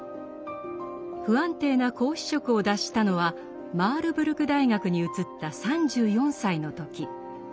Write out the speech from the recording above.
不安定な講師職を脱したのはマールブルク大学に移った３４歳の時。